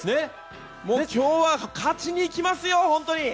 今日は勝ちに行きますよ、本当に。